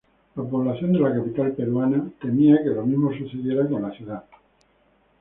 La población de la capital peruana temía que lo mismo sucediera con la ciudad.